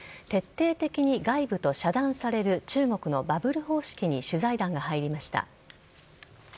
徹底的に外部と遮断される中国のバブル方式に取材団が入りました。